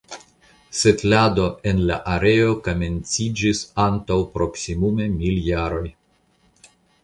Setlado en la areo komenciĝis antaŭ proksimume mil jaroj.